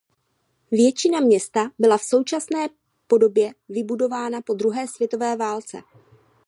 Většina města byla v současné podobě vybudována po druhé světové válce.